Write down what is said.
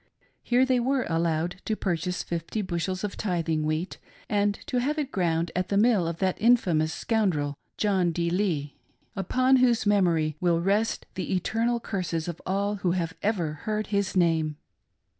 Here they were allowed to purchase fifty bushels of tithing wheat and to have it ground at the mill of that infamous scoundrel John D. Lee^ upon whose memory will rest the eternal curses of all who have ever heard his name.